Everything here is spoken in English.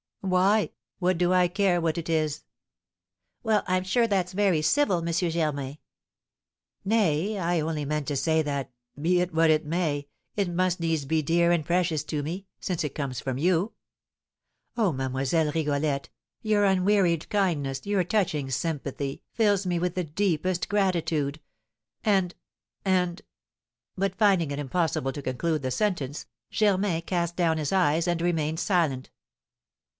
"Why, what do I care what it is?" "Well, I'm sure that's very civil, M. Germain!" "Nay, I only meant to say that, be it what it may, it must needs be dear and precious to me, since it comes from you. Oh, Mlle. Rigolette, your unwearied kindness, your touching sympathy, fills me with the deepest gratitude, and and " But finding it impossible to conclude the sentence, Germain cast down his eyes and remained silent.